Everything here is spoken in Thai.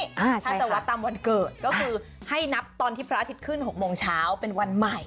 ถ้าจะวัดตามวันเกิดก็คือให้นับตอนที่พระอาทิตย์ขึ้น๖โมงเช้าเป็นวันใหม่